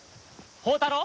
宝太郎！